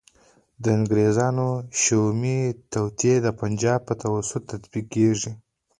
د انګریزانو شومي توطیې د پنجاب په توسط تطبیق کیږي.